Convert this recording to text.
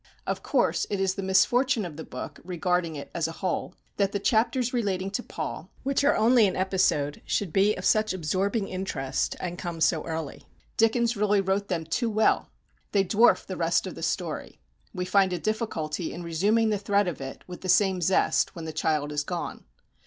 Of course it is the misfortune of the book, regarding it as a whole, that the chapters relating to Paul, which are only an episode, should be of such absorbing interest, and come so early. Dickens really wrote them too well. They dwarf the rest of the story. We find a difficulty in resuming the thread of it with the same zest when the child is gone.